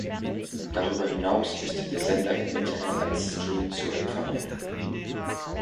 Darüber hinaus ist der Sender im Internet als Stream zu empfangen.